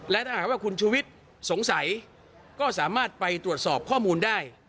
และถ้าหากว่าคุณชุวิตสงสัยก็สามารถไปตรวจสอบข้อมูลได้